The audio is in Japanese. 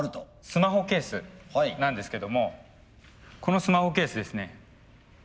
スマホケースなんですけどもこのスマホケースですね。